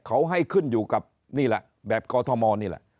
เขาให้ขึ้นอยู่กับนี่แหละแบบกอทมนี่แหละ